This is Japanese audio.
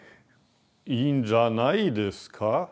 いいんじゃないですか。